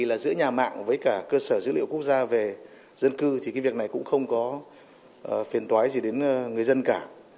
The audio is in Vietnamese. là giữa nhà mạng với cả cơ sở dữ liệu quốc gia về dân cư thì cái việc này cũng không có phiền tói gì đến người dân cả